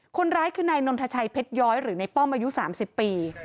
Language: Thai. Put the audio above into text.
คนร้ายคือนายนนทชัยเพชรย้อยหรือในป้อมอายุ๓๐ปี